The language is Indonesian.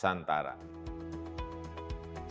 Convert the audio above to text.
dan para pemimpin di kota indonesia